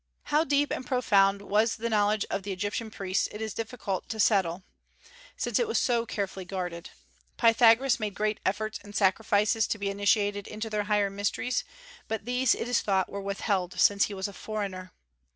How deep and profound was the knowledge of the Egyptian priests it is difficult to settle, since it was so carefully guarded. Pythagoras made great efforts and sacrifices to be initiated in their higher mysteries; but these, it is thought, were withheld, since he was a foreigner.